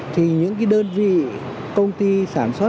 thì những cái đơn vị công ty sản xuất